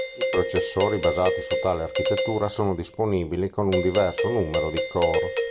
I processori basati su tale architettura sono disponibili con un diverso numero di core.